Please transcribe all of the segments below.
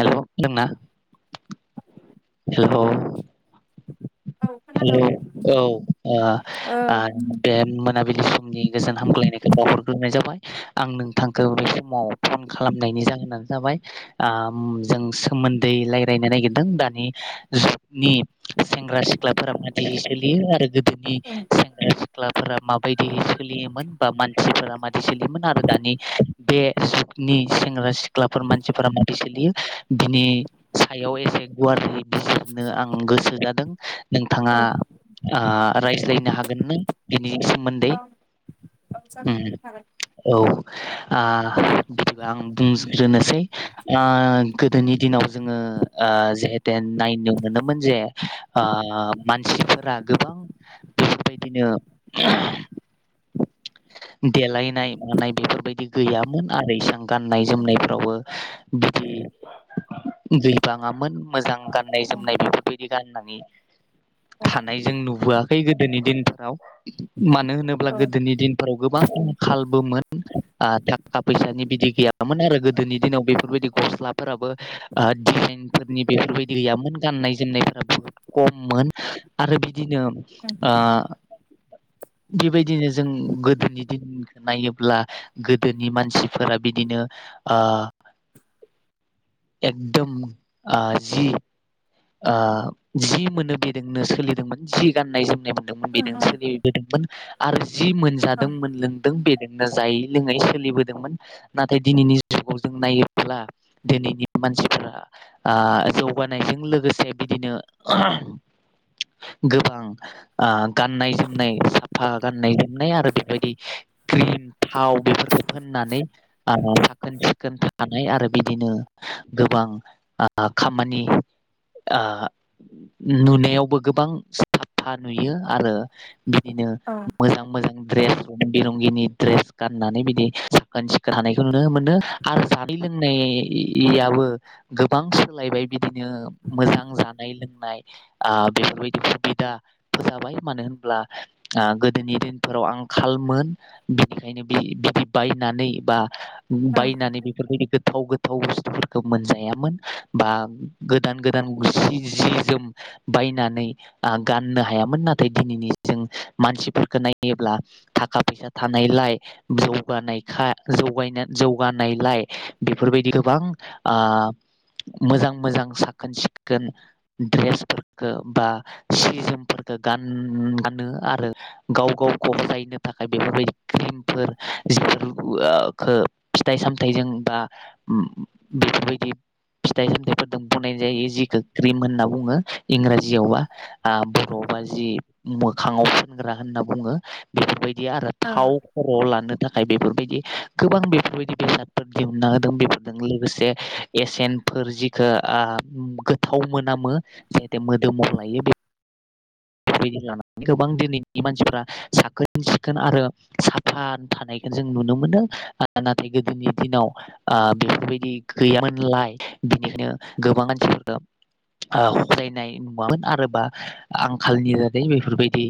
Hello दोंना hello औ औ खोनादों ओ ओ ओ बे मोनाबिलि समनि गोजोन हामग्लायनायखौ बावहरग्रो नाय जाबाय आं नोंथांखौ बे समाव फन खालामनायनि जाहोनानो जाबाय ओ जों सोमोन्दै रायजलायनो नागिरदों दानि जुगनि सेंग्रा सिख्लाफोरा मादैयै सोलियो आरो गो दोनि ओं सेंग्रा सिख्लाफोरा माब बायदि सोलियोमोन बा मान सिफोरा मादि सोलियोमोन आरो दानि बे नि सेंग्रा सिख्लाफोर मानसिफोरा माबि सोलियो बिनि सायाव एसे गुवारै बिजिरनो आं गोसो जादों दों औ नोंथाङा ओ रायज्लायनो हागोन ना बेनि सोमोन्दै‌ औ औ जागोन ओम हागोन औ ओ बिदिबा आं बुंग्रोनोसै ओ गोदोनि दिनाव जोङो ओ जिहेतेन नायनो मोनोमोन जे ओ मानसिफोरा गोबां बेफोरबायदिनो देलायनाय मानाय बेफोरबायदि गैयामोन आरो इसां गाननाय जोमनायफ्रावबो बिदि गैबाङामोन मोजां गाननाय ओं जोमनाय बेफोरबायदि गाननानै औ थानायजों नुबोआ खै गोदोनि दिनफोराव मानो होनोब्ला ओं ओं गोदोनि दिनफोराव गोबां आंखालबोमोन ओ थाखा फैसानि बिदि गैयामोन आरो गोदोनि दिनाव बेफोरबायदि गस्लाफोराबो ओ डिजाइनफोरनि बेफोरबायदि गैयामोन गाननाय जोमनायफोरा बुहुत खममोन आरो बिदि दिनो ओ बेबायदिनो जों गोदोनि दिनखौ नायोब्ला गोदोनि मानसिफोरा बिदिनो ओ एकदम ओ जि ओ जि मोनो बेदोंनो सोलिदोंमोन जि गाननाय जोम नाय मोनदोंमोन ओं बेजोंनो ओं सोलिबोदोंमोन आरो जि मोनजादों मोनलोंदों बेदों नो जायै लोङै सोलिबोदोंमोन नाथाय दिनैनि जुगाव जों नायोब्ला दिनैनि मानसिफोरा जौगानायजों लो गोसे बिदिनो गोबां ओ गाननाय जोमनाय साफा गाननाय जोमनाय आरो बेबायदि क्रिम थाव बेफोरखौ फोननानै ओ साखोन सिखोन थानाय आरो बिदिनो गोबां ओ खामानि ओ नुनायावबो गोबां साफा नुयो आरो बिदिनो मोजां मोजां रेस रं बि रंगिनि दड्रेस गाननानै बिदि साखोन सिखोन हानायखौ नुनो मोनो आरो जानाय लोंनायाबो गोबां सोलायबाय बिदिनो मोजां जानाय लोंनाय बेफोरबायदि सुबिदा फो जाबाय मानो होनब्ला गोदोनि दिनफोराव आंखालमोन बिनिखायनो बि बिदि बायनानै बा बायनानै बेफोरबायदि गोथाव गोथाव बुस्थुफोरखौ मोनजायामोन बा गोदान गोदान सि जि जोम बायनानै गाननो हायामोन नाथाय दिनैनि जों मानसिफोरखौ नायोब्ला थाखा फैसा थानायलाय जौगानायखा ज जौगानायलाय बेफोरबायदि गोबां मोजां मोजां साख साखोन सिखोन द्रेसफोरखौ बा सि जोमफोरखौ गान गानो आरो गाव गावखौायनो थाखाय बेफोरबायदि क्रिमफोर जिफोर फिथाइ सामथजों बा बेफोरबायदि फिथाइ सामथफोरजों होननाय जायो जि खो क्रिम होनना बुङो इंराजियावबा आ बर'आवबा जि मोखांआव फुनग्रा होनना बुङो बेफोरबायदि बिदिया आरो थाव ओं खर' लानो थाखाय बेफोरबायदि गोबां बेफोरबायदि बेसादफोर दिहुनना होदों बेफोरजों लोगोसे एसेयनफोर जिख गोथाव मोनामो जाथे मोदोमाव लायो बे बेफोरबायदि लानानै गोबां दिनैनि मानसिफोरा साखोन सिखोन आरो साफा थानायखौ जों नुनो मोनो नाथाय गोदोनि दिनाव बेफोरबायदि गैयामोनलाय बिनिखायनो गोबां मानसिफोरा फरायायनाय नुवामोन आरो बा आं आ खाालनि दादै बेफोरबायदि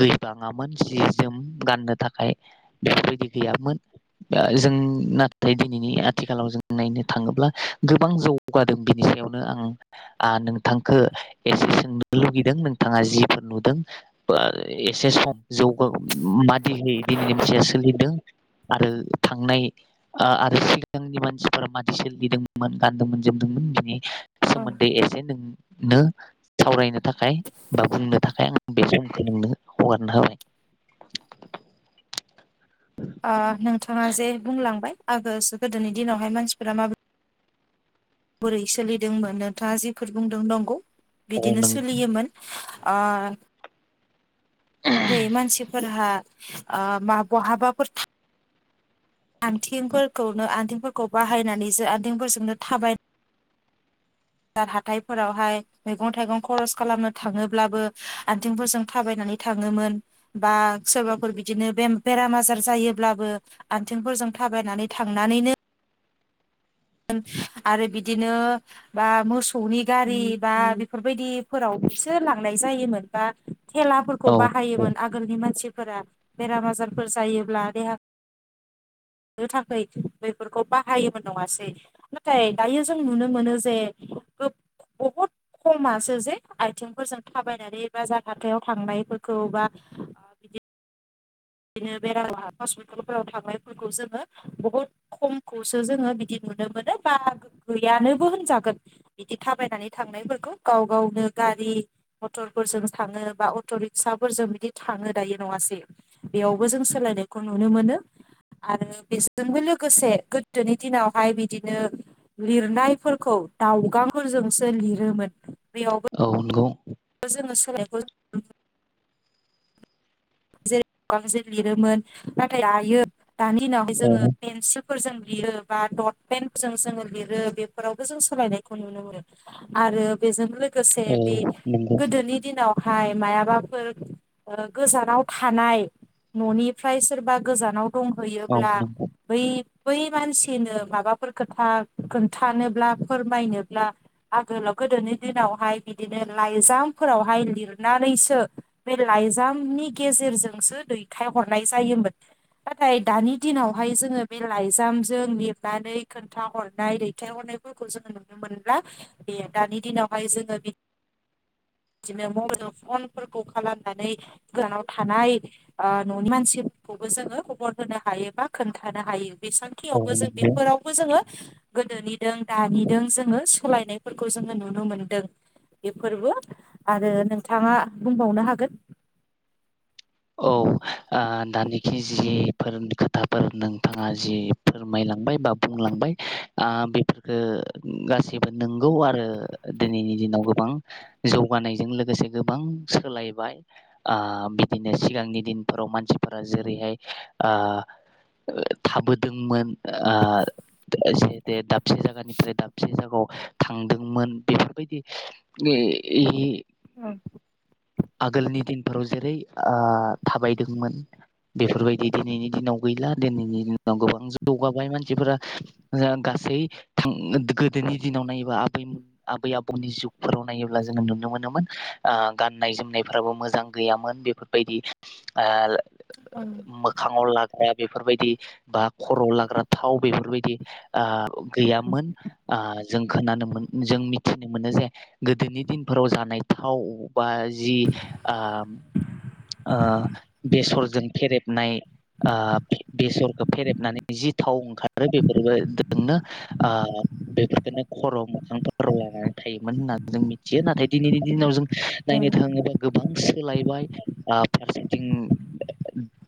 गैबाङामोन जि जोम गाननो थाखाय बेफोरबायदि गैयामोन जों नाथाय दिनैनि आथिखालाव जों नायनो थाङोब्ला गोबां जौगादों बिनि सायावनो आं नोंथांखौ एसे सोंनो लुगैदों नों बिथाङा जिफोर नुदों एसे सम जौग मादिह दिनैनि मानसिया सोलिदों आरो थांनाय आरो सिगांनि मानसिफोरा मादि सोलिदोंमोन गानदोंमोन जोमदोंमोन बि ओं ओ सोमोन्दै एसे नों सावरायनो थाखाय बा बुंनो थाखाय आं बे समखौ नोंनो हगारना होबाय नोंथाङा जे बुंलांबाय आगो गोदोनि दिनावहाय मानसिफोरा माबोरै बोरै सोलिदोंमोन नोंथाङा जिफोर बुंदों नंगौ औ बिदिनो नों सोलियोमोन आ जेरै मानसिफोरहा म बहाबाफोर आथिंफोरखौनो आथिंफोरखौ बाहायनानै जो आथिंफोरजोंनो थाबाय ार हाथायफोरावहाय मैगं थाइगं खरस खालामनो थाङोब्लाबो आथिंफोरजों थाबायनानै थाङोमोन बा सोरबाफोर बिदिनो बे बेराम आजार जायोब्लाबो आथिंफोरजों थाबायनानै थांनानैनो आरो बिदिनो बा मोसौनि गारि बा बेफोरबायदिफोराव बिसोर लांनाय जायोमोन बा थेलाफोरखौ औ औ बाहायोमोन आगोलनि मानसि फोर बेराम आजारफोर जायोब्ला देहा नो थाख बेफोरखौ बाहायोमोन नङासै नाथाय दायो जों नुनो मोनो जे बहुद खमासो जे आइथिंफोरजों थाबायनानै बा जा हाथायाव थांनायफोरखौ बा बिदि बिदिनो बेरा हस्पिटालफोराव थांनायफोरखौ जोङो बहुद खमखौसो जोङो बिदि नुनो मोनो बा गैयानोबो होनजागोन बिदि थाबायनानै थांनायफोरखौ गाव गावनो गारि मटरफोरजों थाङो बा अट' रिक्साफोरजों बिदि थाङो दायो नङास बेयावबो जों सोलायनायखौ नुनो मोनो आरो बेजोंबो लोगोसे गोदोनि दिनावहाय बिदिनो लिरनायफोरखौ दावगांफोरजोंसो लिरोमोन बेयावबो औ नंगौ जोङो सोलायखौ जेरै जे लिरोमोन नाथाय आयो दानि दिनावहाय औ जोङो मेनसिफोरजों लिरो बा दट पेनजों जोङो लिरो बेफोरावबो जों सोलायनायखौ नुनो मोनो आरो बेजों लोगोसे औ बे नंगौ गोदोनि दिनाव हाय मायाबाफोर गोजानाव थानाय न'निफ्राय सोरबा गोजानाव औ बुंहैयोब्ला नंगौ बै बै मानसिनो माबाफोर खोथा खोन्थानोब्ला फोरमायनोब्ला आगोलाव गोदोनि दिनावहाय बिदिनो लाइजामफोरावहाय लिरनानैसो बे लाइजामनि गेजेरजोंसो दैथायहरनाय जायोमोन नाथाय दानि दिनावहाय जोङो बे लाइजामजों लिरनानै खोन्थ हरनाय दैथायहरनायफोरखौ जोङो नुनो मोनब्ला बे दानि दिनावहाय जोङो बिदिनो मबाइल फनफोरखौ खालामनानै गोजानाव थानाय ओ न'नि मानसिखौबो जोङो खबर होनो हायो बा खोन्थानो हायो औ बेसांखियावबो जों नंगौ बेफोरावबो जोङो गोदोनिदों दानिजों जोङो सोलायनायफोरखौ जोङो नुनो मोनदों बेफोरबो आरो नोंथाङा बुंबावनो हागोन ओ दानिखि जिफोरनि खोथाफोर नोंथाङा जि फोरमायलांबाय बा बुंलांबाय बेफोरफोरखौो गासैबो नंगौ आरो दिनैनि दिनाव गोबां जौगानायजों लोगोसे गोबां सोलायबाय ओ बिदिनो सिगांनि दिनफोराव मानसिफोरा जेरैहाय ओ थाबोदोंमोन ओ जे से दाबसे जायगानिफ्राय दाबसे जायगायाव थांदोंमोन बेफोरबायदि इ-इ ओं आगोलनि दिनफोराव जेरै ओ थाबायदोंमोन बेफोरबायदि दिनैनि दिनाव गैला दिनैनि दिनाव गोबां जौगाबाय मानसिफोरा गासै थां गोदोनि दिनाव नायोब्ला आबै आबै आबौनि जुगफोराव नायोब्ला जोङो नुनो मोनोमोन ओ गान गाननाय जोमनायफ्राबो मोजां गैयामोन बेफोरबायदि ओ औ मोखाङाव लाग्रा बेफोरबायदि बा खर'आव लाग्रा थाव बेफोरबायदि दि ओ गैयामोन ओ जों खोनानो मोन जों मिथिनो मोनो जे गोदोनि दिनफोराव जानाय थाव बा जि ओ ओ बेसरजों फेरेबनाय ओ बेसरखौ फेरेबनानै जि थाव ओंखारो ओ बेफोरबोजोंनो बेफोरफोरखौनो खर' मोखां फाराव लानानै थायोमोन होननानै जों मिथियो नाथाय दिनैनि दिनाव जों औ नायनो थाङोबा गो गोबां सोलायबाय आ फारसेथिं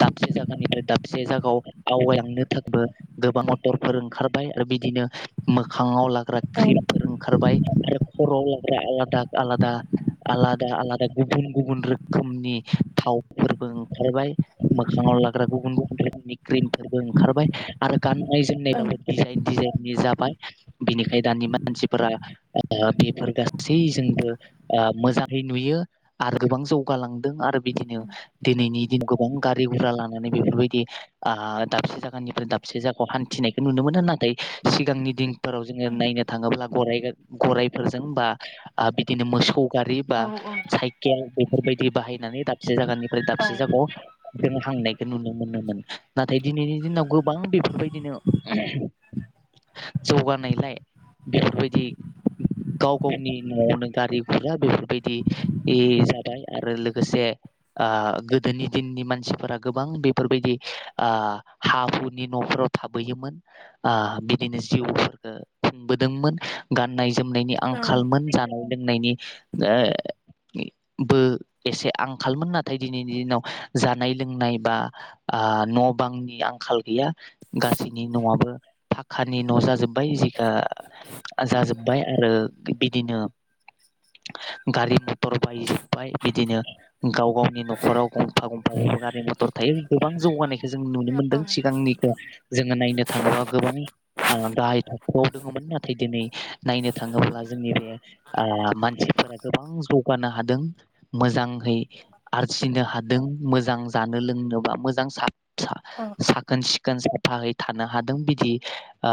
दाबसे जायगानिफ्राय दाबसे जायगायाव आवगायलांनो थाखायबो गोबां मटरफोर ओंखारबाय आरो बिदिनो मोखाङाव ला ग्रा ख्रिमफोर ओंखारबाय आरो खर'आव लाग्रा आलादा आलादा आलादा दा आलादा गुबुन गुबुन रोखोमनि थावफोरबो ओंखारबाय मोखाङाव लाग्रा गुबुन गुबुन रोखोमनि क्रिमफोरबो ओंखारबाय आरो गाननाय जोमनायबाबो डिजाइन डिजाइन नि जाबाय बिनिखायनो दानि मानसिफोरा ओ बेफोर गासैजोंबो ओ मोजां नुयो आरो गोबां जौगालांदों आरो बिदिनो दिनैनि दि गोबां गारि गुरा लानानै बेफोरबायदि आ दाबसे जायगानिफ्राय दाबसे जायगायाव हान्थिनायखौ नुनो मोनो नाथाय सिगांनि दिन फोराव जोङो नायनो थाङोब्ला गरागा गराइफोरजों बा ओ बिदिनो मोसौ गारि बा साइकेल बेफोरबायदि बाहायनानै दा से जागानि फा दाबसे जायगाव जोङो हांनायखौ नुनो मोनोमोन नाथाय दिनैनि दिनाव गोबां बेफोरबायदिनो जौगानायलाय बेफोरबायदि गाव गावनि न'आवनो गारि गुरा बेफोरबायद दि इ जाबाय आरो लोगोसे ओ गोदोनि दिननि मानसिफोरा गोबां बेफोरबायदि ओ हा हुनि न'फोराव थाबोयोमोन ओ बिदिनो जिउफोरखौ खुंबोदोंमोन गाननाय ज जोमनायनि आंखालमोन, जानाय लोंनायनि ओ बो एसे आंखालमोन नाथाय दिनैनि दिनाव जानाय लोंनाय बा ओ न' बांनि आंखाल गैया गासैनि न'आबो फाखानि न' जाजोब्बाय जि दा जाजोब्बाय आरो बिदिनो गारि मथर बायजोब्बाय बिदिनो गाव गावनि न'खराव गंफा गंफा गारि मथर थायो गोबां जौगानाय जों नुनो मोनदों सिगांनिखौ जोङो नायनो थाङोबा गोबां गाहाइ थाखोआव दङमोन नाथाय दिनै नायनो थाङोब्ला जोंनि बे ओ मानसिफोरा गोबां जौगानो हादों मोजाङै आरजिनो हादों मोजां जानो लोंनोबा मोजां औ सा-सा-साखोन सिखोन साफाहै थानो हादों बिदि ओ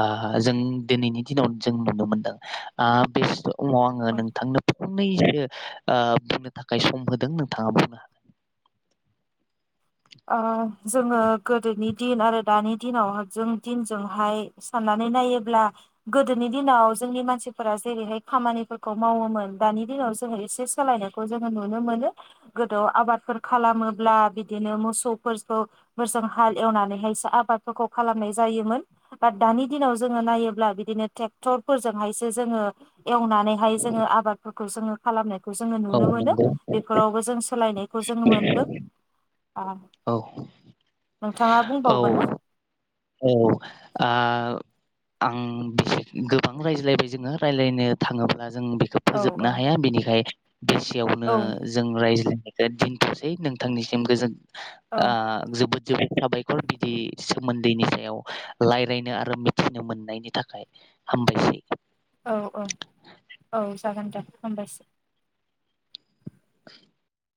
जों दिनैनि दिनाव जों नुनो मोनदों ओ बे समाव आङो औ नोंथांनो फंनैसो बुंनो थाखाय सम होदों नोंथाङा बुंनो हाग ओ जोङो गोदोनि दिन आरो दानि दिनाव जों दिनजोंहाय साननानै नायोब्ला गोदोनि दिनाव जोंनि मानसिफोरा जेरैहाय खामानिफोरखौ मावोमोन दानि दिनाव जोङो एसे सोलायनायखौ जोङो नुनो मोनो गोदो आबादफोर खालामोब्ला बिदिनो मोसौफोरखौ मोजां हाल एवनानैहायसो आबादफोरखौ खालामनाय जायोमोन दा दानि दिनाव जोङो नायोब्ला बिदिनो ट्रेक्टर फोरजोंहायसो जोङो एवनानैहाय जोङो आबादफोरख जोङो खालामनाय खौ जोङो औ नुनो मोनो नंगौ बेफोरावबो जों सोलायनायखौ जोङो मोनदों । अ औ नोंथाङा औ बुंबावगोन ना? औ आ आं बिसे गोबां रायज्लायबाय जोङो रायज्लायनो थाङोब्ला जों बेखौ औ फोजोबनो हाया बिनिखाय बेसेयावनो औ जों रायज्लाय दे दोनथ'सै नोंथांनिसिम गोजोन आ औ जोबोद जोबोद साबाय खर बिदि सोमोन दैनि सायाव रायज्लायनो आरो मिथिनो मोननायनि थाखाय हामबायसै । औ औ औ जागोन दे हामबायसै। [inaudible]